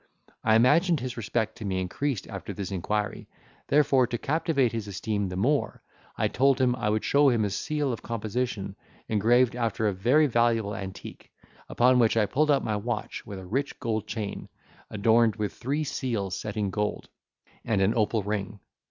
I imagined his respect to me increased after this inquiry; therefore to captivate his esteem the more, I told him, I would show him a seal of composition, engraved after a very valuable antique; upon which I pulled out my watch with a rich gold chain, adorned with three seals set in gold, and an opal ring.